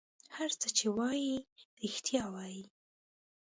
هر څه چې وایي رېښتیا وایي.